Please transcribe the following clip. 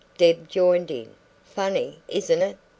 Deb joined in. "Funny, isn't it?